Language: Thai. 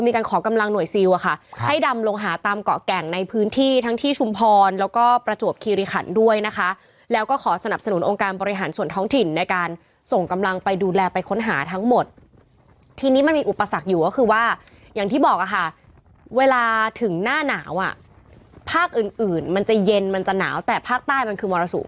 ทีนี้มันมีอุปสรรคอยู่ก็คือว่าอย่างที่บอกค่ะเวลาถึงหน้าหนาวภาคอื่นมันจะเย็นมันจะหนาวแต่ภาคใต้มันคือมรสุม